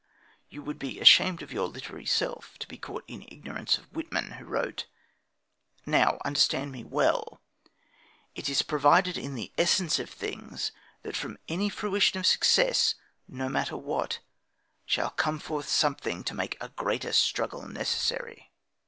You would be ashamed of your literary self to be caught in ignorance of Whitman, who wrote: Now understand me well it is provided in the essence of things that from any fruition of success, no matter what, shall come forth something to make a greater struggle necessary.